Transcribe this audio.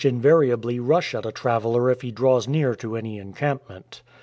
LIFE OF A NOMAD invariably rush at a traveller if he draws near to any en campment.